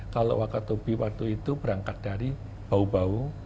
kalau wakatobi waktu itu berangkat dari bau bau